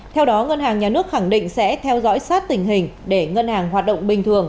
theo đó ngân hàng nhà nước khẳng định sẽ theo dõi sát tình hình để ngân hàng hoạt động bình thường